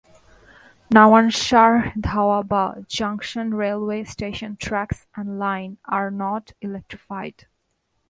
Nawanshahr Doaba Junction railway station tracks and line are not electrified.